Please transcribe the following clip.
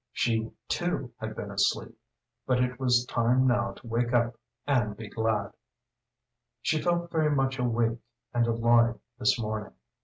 She too had been asleep but it was time now to wake up and be glad! She felt very much awake and alive this morning.